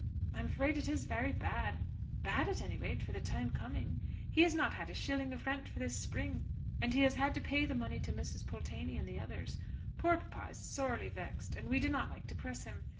"I am afraid it is very bad, bad at any rate, for the time coming. He has not had a shilling of rent for this spring, and he has to pay the money to Mrs. Pulteney and the others. Poor papa is sorely vexed, and we do not like to press him.